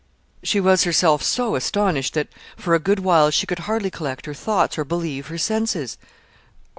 She was herself so astonished that for a good while she could hardly collect her thoughts or believe her senses.